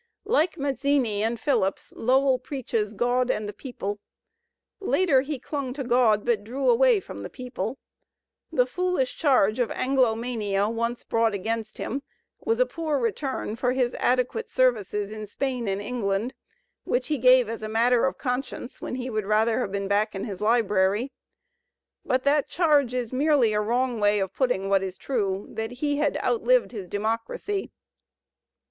like Mazzini and Phillips, Lowell preaches God and the People. Later he clung to God but drew away from the people. The foolish charge of Anglomania once brought against him was a poor return for his adequate services in Spain and England, which he gave as a matter of con science when he would rather have been back in his library. But that charge is merely a wrong way of putting what is true, that he had outlived his democracy.